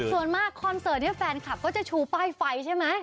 ส่วนมากคอนเสิร์ตนี้แฟนคลับก็จะชูป้ายไฟใช่ไหม